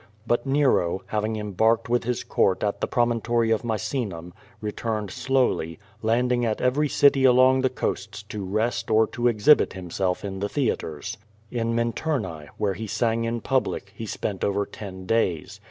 15ut Nero, having embarked with his court at the promontory of Misenum, returned slowly, landing at every city along the coasts to rest or to exhibit him self in the theatres. In Minturnae, where he sang in public, he spent over ten days.